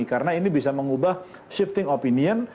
karena ini bisa mengubah shifting opinion